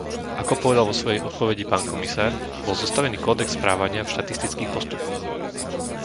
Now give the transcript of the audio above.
Ako povedal vo svojej odpovedi pán komisár, bol zostavený Kódex správania v štatistických postupoch.